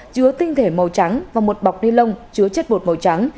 chứa tinh thể màu trắng và một bọc ni lông chứa chất bột màu trắng